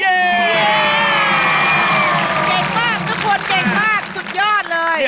เก่งมากสุดยอดเลย